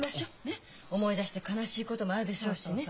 思い出して悲しいこともあるでしょうしね。